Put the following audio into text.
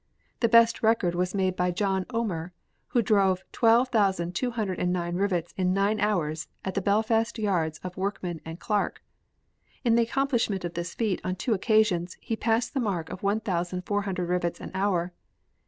The best record was made by John Omir, who drove twelve thousand two hundred and nine rivets in nine hours at the Belfast Yards of Workman and Clark. In the accomplishment of this feat on two occasions he passed the mark of one thousand four hundred rivets an hour.